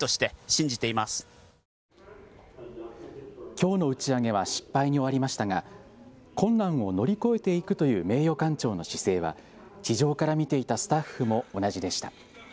きょうの打ち上げは失敗に終わりましたが困難を乗り越えていくという名誉館長の姿勢は地上から見ていたスタッフも同じでした。